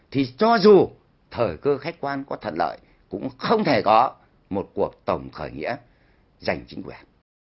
thì cho dù thời cơ khách quan có thận lợi cũng không thể có một cuộc tổng khởi nghĩa giành chính quyền